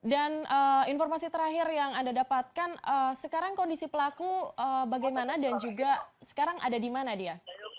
dan informasi terakhir yang anda dapatkan sekarang kondisi pelaku bagaimana dan juga sekarang ada di mana dia